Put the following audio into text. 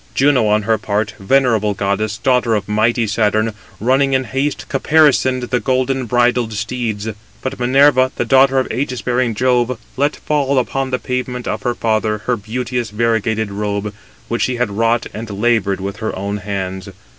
Juno, on her part, venerable goddess, daughter of mighty Saturn, running in haste, caparisoned the golden bridled steeds. But Minerva, the daughter of ægis bearing Jove, let fall upon the pavement of her father her beauteous variegated robe, which she had wrought and laboured with her own hands.